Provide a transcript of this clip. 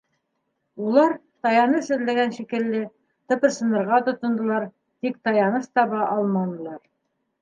Улар, таяныс эҙләгән шикелле, тыпырсынырға тотондолар, тик таяныс таба алманылар.